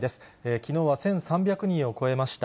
きのうは１３００人を超えました。